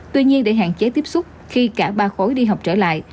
tuy nhiên để hạn chế tiếp xúc khi cả ba khối đi học trở lại